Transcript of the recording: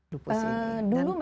dulu memang iya